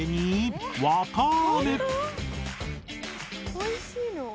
おいしいの？